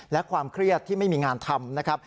และความเครียดที่ไม่มีงานทำนะครับ